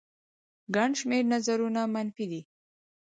ګڼ شمېر نظرونه منفي دي